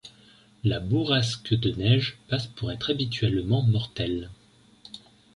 La bourrasque de neige passe pour être habituellement mortelle.